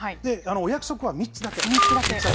お約束は３つだけ。